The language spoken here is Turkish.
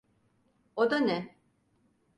O da ne?